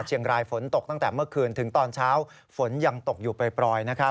ฝนตกตั้งแต่เมื่อคืนถึงตอนเช้าฝนยังตกอยู่ปล่อย